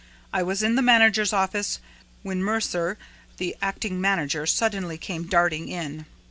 I was in the manager's office, when Mercier, the acting manager, suddenly came darting in.